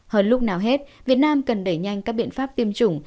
hơn lúc nào hết việt nam cần đẩy nhanh các biện pháp tiêm chủng